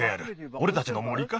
おれたちの森か？